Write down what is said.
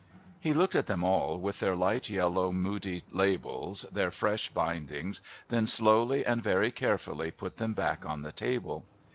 He looked at them all, with their light yellow Mudie labels, their fresh bindings, then, slowly and very carefully, put them back on the table.